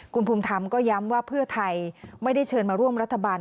คุณภูมิธรรมก็ย้ำว่าเพื่อไทยไม่ได้เชิญมาร่วมรัฐบาล